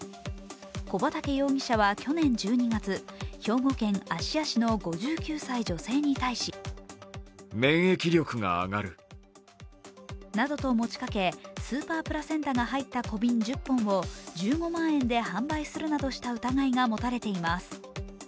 小畠容疑者は去年１２月、兵庫県芦屋市の５９歳の女性に対しなどと持ちかけ、スーパープラセンタが入った小瓶１０本を１５万円で販売するなどした疑いが持たれています。